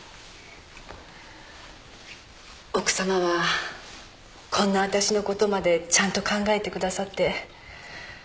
奥さまはこんな私のことまでちゃんと考えてくださって。